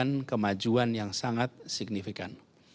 menunjukkan kemajuan yang sangat signifikan